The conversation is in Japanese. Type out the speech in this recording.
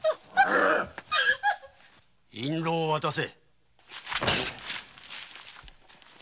印籠を渡せ！